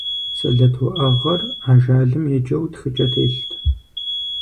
Сэлэт уӀэгъэр ажалым еджэу тхыкӀэ телът.